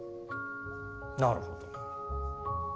なるほど。